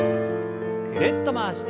ぐるっと回して。